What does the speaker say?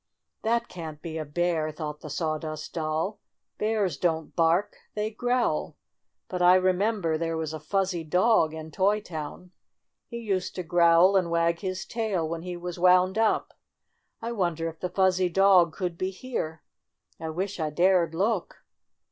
"That can't be a bear!" thought the Sawdust Doll. "Bears don't bark — they growl. But I remember there was a Fuzzy Dog in Toy Town. He used to growl and wag his tail when he was wound up. I wonder if the Fuzzy Dog could be here? I wish I dared look."